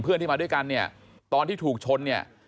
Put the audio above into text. เพื่อนที่มาด้วยกันตอนที่ถูกชน